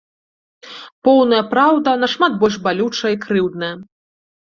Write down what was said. Поўная праўда нашмат больш балючая і крыўдная.